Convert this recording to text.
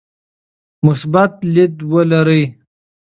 مثبت لید ولرئ.